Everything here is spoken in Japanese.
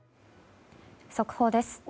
速報です。